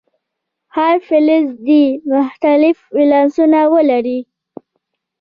هر فلز دې مختلف ولانسونه ولري.